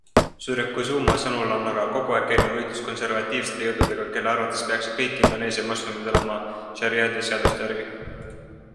Suryakusuma sõnul on aga kogu aeg käinud võitlus konservatiivsete jõududega, kelle arvates peaksid kõik Indoneesia moslemid elama šariaadiseaduste järgi.